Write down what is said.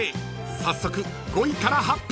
［早速５位から発表］